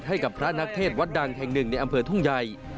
ให้กับพระนักเทศวัดดังแห่งหนึ่งในอำเภอทุ่งใหญ่